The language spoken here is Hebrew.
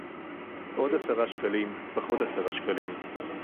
עוד עשרה שקלים, פחות עשרה שקלים